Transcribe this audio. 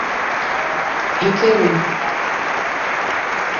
requerer